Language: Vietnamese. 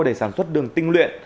để sản xuất đường tinh luyện